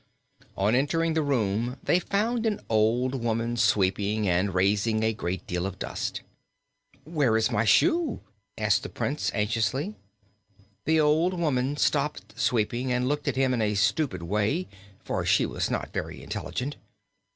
On entering the room they found an old woman sweeping and raising a great deal of dust. "Where is my shoe?" asked the Prince, anxiously. The old woman stopped sweeping and looked at him in a stupid way, for she was not very intelligent.